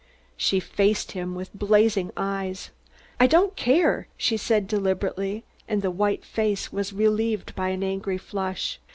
She faced him with blazing eyes. "I don't care," she said deliberately, and the white face was relieved by an angry flush.